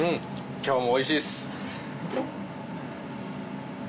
今日もおいしいっす